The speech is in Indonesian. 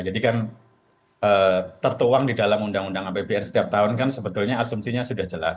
jadi kan tertuang di dalam undang undang apbn setiap tahun kan sebetulnya asumsinya sudah jelas